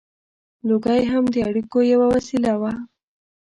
• لوګی هم د اړیکو یوه وسیله وه.